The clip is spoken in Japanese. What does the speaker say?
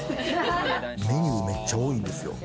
メニューめっちゃ多いんですよ。